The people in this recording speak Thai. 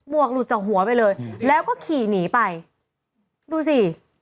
วกหลุดจากหัวไปเลยแล้วก็ขี่หนีไปดูสิ